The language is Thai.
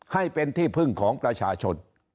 ให้เป็นที่พึ่งของประชาชน